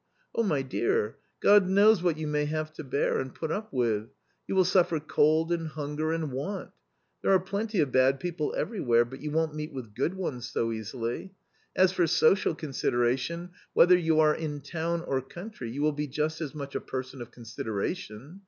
Oh, my dear, God knows what you may have to bear and put up with ; you will suffer cold and hunger and want There are plenty of bad people everywhere, but you won't meet with good ones so easily. As for social consideration, whether you are in town or country, you will be just as much a person of consideration.